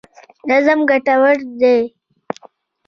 نظم ګټور دی.